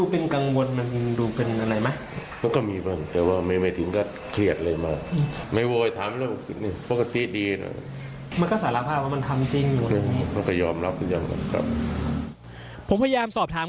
ผมพยายามสอบถาม